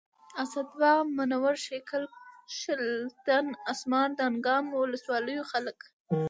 اسداباد منوره شیګل شلتن اسمار دانګام ولسوالیو خلک